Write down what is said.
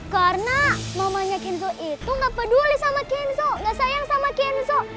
karena mamanya kenzo itu gak peduli sama kenzo gak sayang sama kenzo